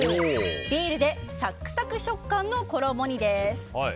ビールでサクサク食感の衣に！